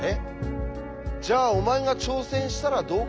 じゃあお前が挑戦したらどうかって？